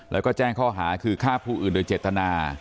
และแหน่งข้อหาคือฆ่าผู้อื่นโดยเจตนา